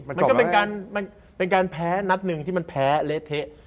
มันก็เป็นการแพ้นัดหนึ่งที่มันแพ้เละเทะ